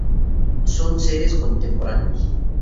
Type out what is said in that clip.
Son seres contemporáneos.